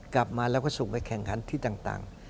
กลับมาแล้วก็ส่งไปแข่งขันที่ต่าง